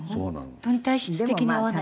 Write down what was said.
本当に体質的に合わないんですね。